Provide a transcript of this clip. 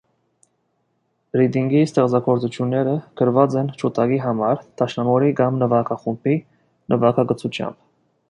Ռիդինգի ստեղծագործությունները գրված են ջութակի համար, դաշնամուրի կամ նվագախմբի նվագակցությամբ։